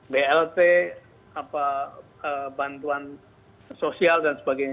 blt bantuan sosial dan sebagainya